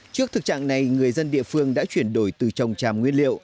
trước thực trạng này người dân địa phương đã chuyển đổi từ trồng tràm nguyên liệu